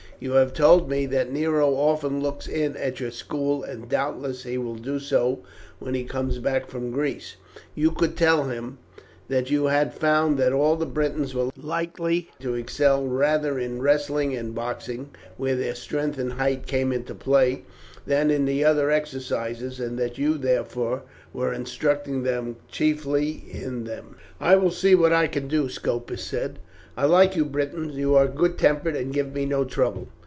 You have told me that Nero often looks in at your school, and doubtless he will do so when he comes back from Greece. You could then tell him that you had found that all the Britons were likely to excel rather in wrestling and boxing, where their strength and height came into play, than in the other exercises, and that you therefore were instructing them chiefly in them." "I will see what I can do," Scopus said. "I like you Britons, you are good tempered, and give me no trouble.